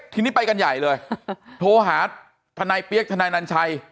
ทีนี้ไปกันใหญ่เลยโทรหาทนายเปี๊ยกทนายนัญชัย